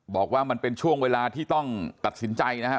บอกว่ามันเป็นช่วงเวลาที่ต้องตัดสินใจนะครับ